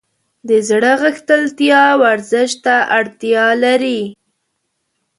د زړه غښتلتیا ورزش ته اړتیا لري.